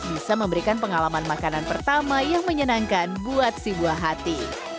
bisa memberikan pengalaman makanan pertama yang menyenangkan buat si buah hati